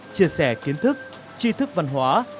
chia sẻ kiến thức chi thức văn hóa